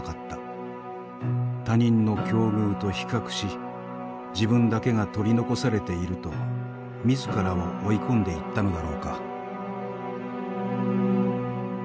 他人の境遇と比較し自分だけが取り残されていると自らを追い込んでいったのだろうか。